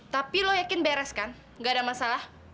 tapi lo yakin beres kan nggak ada masalah